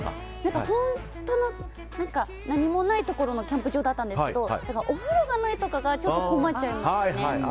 本当の何もないところのキャンプ場だったんですけどお風呂がないとかがちょっと困っちゃいましたね。